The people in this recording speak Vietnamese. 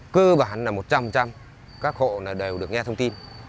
cơ bản là một trăm linh các hộ đều được nghe thông tin